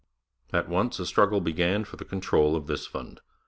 At once a struggle began for the control of this fund.